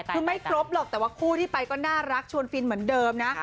คือไม่ครบหรอกแต่ว่าคู่ที่ไปก็น่ารักชวนฟินเหมือนเดิมนะ